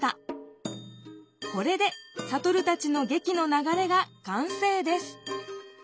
これでサトルたちの劇の流れが完成です